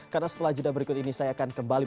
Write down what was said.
karena setelah jadwal berikut ini saya akan kembali